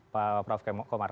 pak prof komar